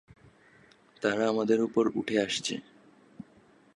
তারা আমাদের উপরে উঠে আসছে!